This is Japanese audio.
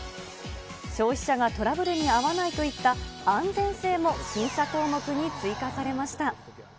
消費者がトラブルに遭わないといった安全性も審査項目に追加されました。